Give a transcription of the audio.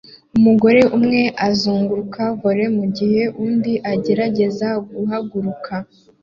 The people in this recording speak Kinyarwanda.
Umugore umwe azunguruka volley mugihe undi agerageza guhagarika